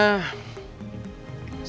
saya masih curiga pak sama riki